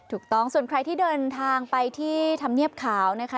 ถูกต้องส่วนใครที่เดินทางไปที่ธรรมเนียบขาวนะคะ